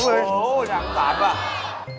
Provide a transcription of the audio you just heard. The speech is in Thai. โอ้วอยากรักว่ะ